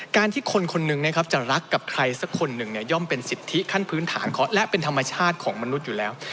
ที่คนคนหนึ่งนะครับจะรักกับใครสักคนหนึ่งย่อมเป็นสิทธิขั้นพื้นฐานเคาะและเป็นธรรมชาติของมนุษย์อยู่แล้ว